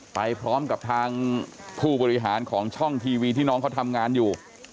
ไปพร้อมกับทางผู้บริหารของช่องทีวีที่น้องเขาทำงานอยู่